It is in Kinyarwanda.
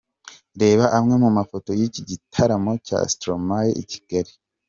Reba amwe mu mafoto y'iki gitaramo cya Stromae i Kigali.